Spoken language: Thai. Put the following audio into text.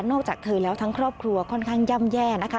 จากเธอแล้วทั้งครอบครัวค่อนข้างย่ำแย่นะคะ